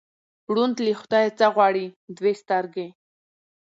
ـ ړوند له خدايه څه غواړي، دوې سترګې.